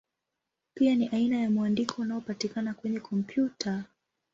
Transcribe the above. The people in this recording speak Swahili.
Pia ni aina ya mwandiko unaopatikana kwenye kompyuta.